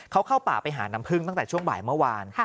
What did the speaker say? เขาเข้าป่าไปหาน้ำพึ่งตั้งแต่ช่วงบ่ายเมื่อวาน